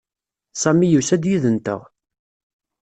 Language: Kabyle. Sami yusa-d yid-nteɣ.